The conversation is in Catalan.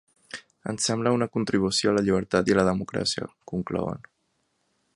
Ens sembla una contribució a la llibertat i la democràcia, conclouen.